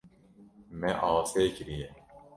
Me asê kiriye.